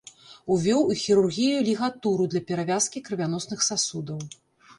Увёў у хірургію лігатуру для перавязкі крывяносных сасудаў.